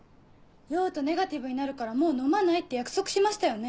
酔うとネガティブになるからもう飲まないって約束しましたよね？